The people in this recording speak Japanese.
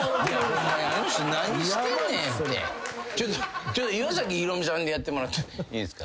ちょっと岩崎宏美さんでやってもらってもいいですか？